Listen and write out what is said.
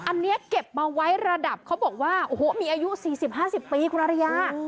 อันนี้เก็บมาไว้ระดับเขาบอกว่าโอ้โหมีอายุ๔๐๕๐ปีคุณอริยา